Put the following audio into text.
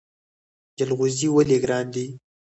جلغوزي ولې ګران دي؟